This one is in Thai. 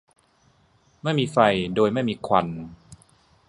ไม่มีไฟโดยไม่มีควัน